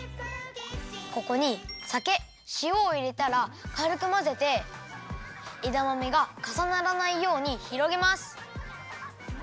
ここにさけしおをいれたらかるくまぜてえだまめがかさならないようにひろげます。